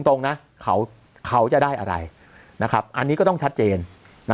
ตรงนะเขาเขาจะได้อะไรนะครับอันนี้ก็ต้องชัดเจนนะ